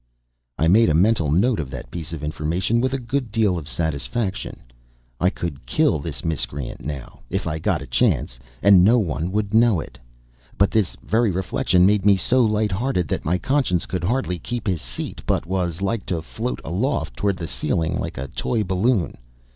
I made a mental note of that piece of information with a good deal of satisfaction. I could kill this miscreant now, if I got a chance, and no one would know it. But this very reflection made me so lighthearted that my Conscience could hardly keep his seat, but was like to float aloft toward the ceiling like a toy balloon.